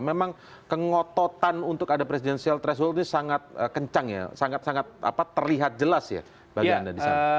memang kengototan untuk ada presidensial threshold ini sangat kencang ya sangat sangat terlihat jelas ya bagi anda di sana